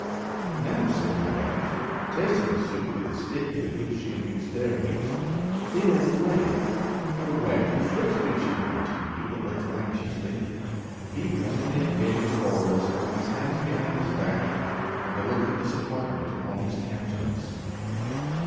"Now," said my wife, tasting the soup with the stick with which she had been stirring it, "dinner is ready, but where can Fritz be?" she continued, a little anxiously.... He presently appeared before us, his hands behind his back, and a look of disappointment upon his countenance.